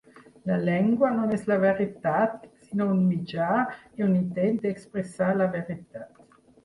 La llengua no és la veritat, sinó un mitjà i un intent d'expressar la veritat.